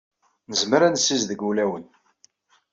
Nezmer ad nessizdeg ulawen.